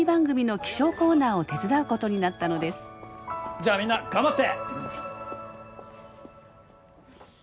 じゃあみんな頑張って！